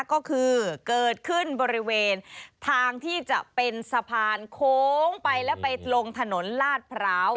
ก็คือเกิดขึ้นบริเวณทางที่จะเป็นสะพานโค้งไปแล้วไปลงถนนลาดพร้าว